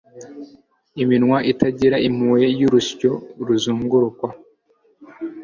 Iminwa itagira impuhwe yurusyo ruzunguruka